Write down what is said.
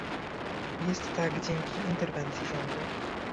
Jest tak dzięki interwencji rządu